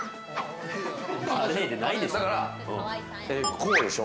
こうでしょ？